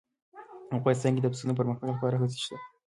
افغانستان کې د پسونو د پرمختګ لپاره هڅې شته.